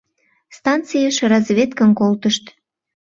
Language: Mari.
Станцийыш разведкым колтышт.